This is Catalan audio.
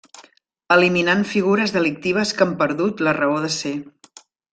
Eliminant figures delictives que han perdut la raó de ser.